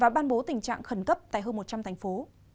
và ban bố tình trạng khẩn cấp tại hơn một trăm linh thành phố